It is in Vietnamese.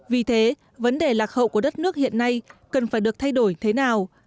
vì thế vấn đề lạc hậu của đất nước hiện nay cần phải được thay đổi thế nào